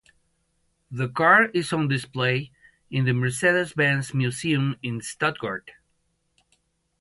The car is on display in the Mercedes-Benz Museum in Stuttgart.